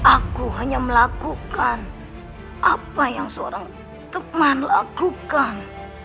aku hanya melakukan apa yang seorang teman lakukan